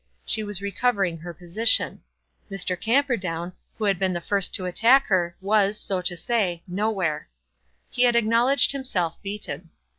She was recovering her position. Mr. Camperdown, who had been the first to attack her, was, so to say, "nowhere." He had acknowledged himself beaten.